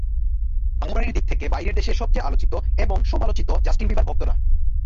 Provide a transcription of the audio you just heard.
বাড়াবাড়ির দিক থেকে বাইরের দেশে সবচেয়ে আলোচিত এবং সমালোচিত জাস্টিন বিবারভক্তরা।